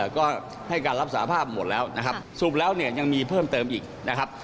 ก็ให้การรับสาภาพหมดแล้วนะครับสรุปแล้วเนี่ยยังมีเพิ่มเติมอีกนะครับ